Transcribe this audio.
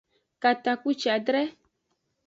Katakpuciadre.